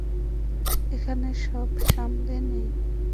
এখানে সব সামলে নেই।